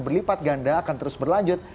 berlipat ganda akan terus berlanjut